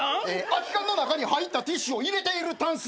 空き缶の中に入ったティッシュを入れているたんす。